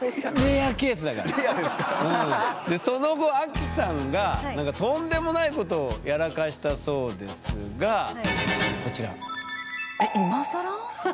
でその後アキさんがなんかとんでもないことをやらかしたそうですがこちら。